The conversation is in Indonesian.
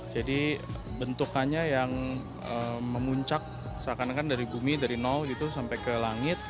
jadi bentukannya yang memuncak seakan akan dari bumi dari nol gitu sampai ke langit